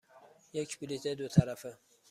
یک بلیط دو طرفه.